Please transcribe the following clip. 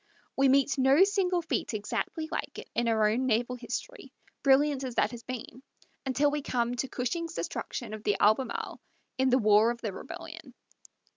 We meet no single feat exactly like it in our own naval history, brilliant as that has been, until we come to Cushing's destruction of the Albemarle in the war of the rebellion.